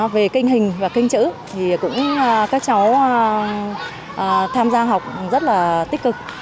về kinh hình và kinh chữ thì cũng các cháu tham gia học rất là tích cực